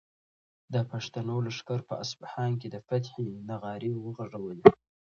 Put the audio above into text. د پښتنو لښکر په اصفهان کې د فتحې نغارې وغږولې.